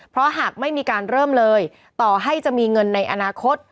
เพราะหากไม่มีการเริ่มเลยต่อให้จะมีเงินในอนาคต